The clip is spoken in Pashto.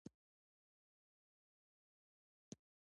په ارغوان به ښکلي سي غیږي